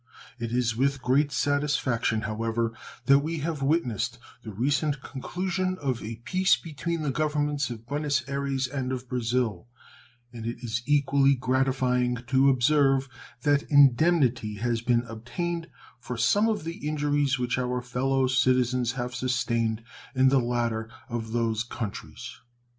It is with great satisfaction, however, that we have witnessed the recent conclusion of a peace between the Governments of Buenos Ayres and of Brazil, and it is equally gratifying to observe that indemnity has been obtained for some of the injuries which our fellow citizens had sustained in the latter of those countries.